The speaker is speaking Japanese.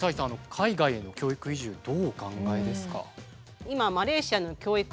海外への教育移住どうお考えですか？